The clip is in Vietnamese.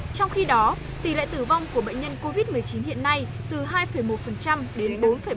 trong khi đó tỷ lệ tử vong của bệnh nhân covid một mươi chín hiện nay từ hai một đến bốn bốn